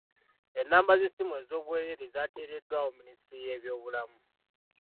Ennamba z'essimu ez'obwereere zaateereddwawo minisitule y'ebyobulamu.